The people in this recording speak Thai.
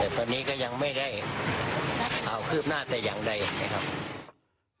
ตอนนี้ก็ยังไม่ได้ข่าวคืบหน้าแต่อย่างใดนะครับ